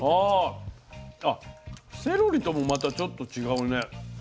あセロリともまたちょっと違うね。